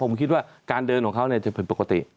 ผมคิดว่าการเดินของเขาเนี่ยจะผิดปกติ